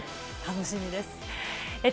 楽しみです。